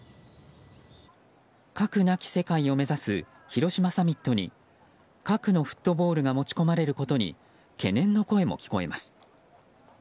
核なき世界を目指す広島サミットに核のフットボールが持ち込まれることに懸念の声も聞かれます。